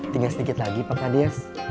tinggal sedikit lagi pak fadias